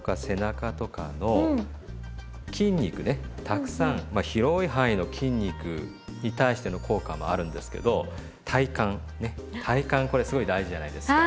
たくさんまあ広い範囲の筋肉に対しての効果もあるんですけど体幹ね体幹これすごい大事じゃないですか。